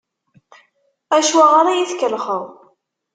Acuɣer i yi-tkellxeḍ?